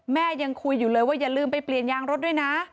ยังคุยอยู่เลยว่าอย่าลืมไปเปลี่ยนยางรถด้วยนะ